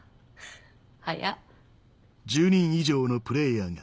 早っ。